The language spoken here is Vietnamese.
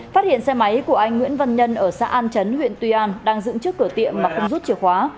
phát hiện xe máy của anh nguyễn văn nhân ở xã an chấn huyện tuy an đang dựng trước cửa tiệm mà không rút chìa khóa